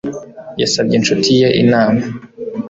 Yasabye inshuti ye inama